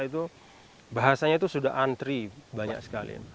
itu bahasanya itu sudah antri banyak sekali